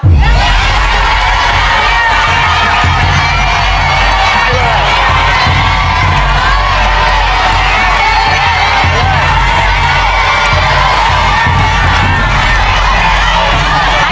ไปเลย